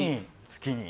月に。